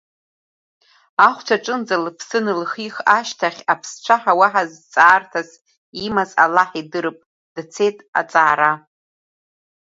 Ахәцәаҿынӡа лыԥсы анылхих ашьҭахьы аԥсцәаҳа, уа зҵаарҭас имаз аллаҳ идырп, дцет аҵаара.